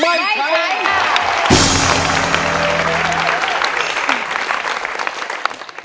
ไม่ใช้ค่ะ